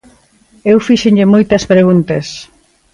Eu fíxenlle moitas preguntas.